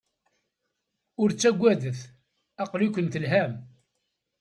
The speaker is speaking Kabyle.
Ur ttaggadet, aql-iken telham.